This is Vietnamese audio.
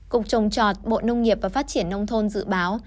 cục trồng trọt bộ nông nghiệp và phát triển nông thôn dự báo